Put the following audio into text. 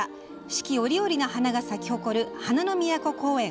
四季折々の花が咲き誇る花の都公園。